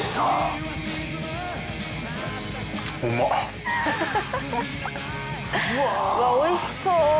うわおいしそう。